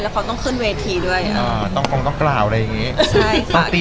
เราต้องพูดอะไรกันบ้างอะไรอย่างนี้